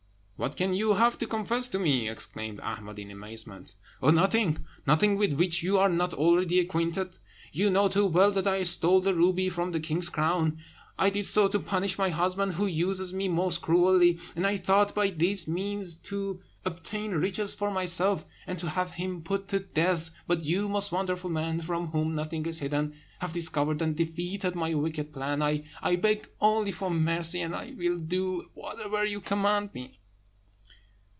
"What can you have to confess to me?" exclaimed Ahmed in amazement. "Oh, nothing! nothing with which you are not already acquainted. You know too well that I stole the ruby from the king's crown. I did so to punish my husband, who uses me most cruelly; and I thought by this means to obtain riches for myself, and to have him put to death. But you, most wonderful man, from whom nothing is hidden, have discovered and defeated my wicked plan. I beg only for mercy, and will do whatever you command me."